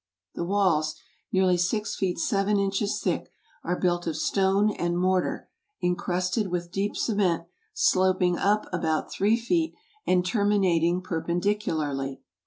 The walls, nearly six feet seven inches thick, are built of stone and mortar, incrusted with deep cement, sloping up about three feet and terminating perpendicularly.